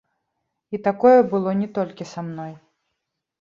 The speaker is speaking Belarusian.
І такое было не толькі са мной.